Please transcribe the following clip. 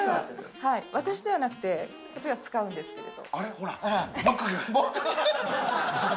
私ではなくて、こっちが使うんですけど。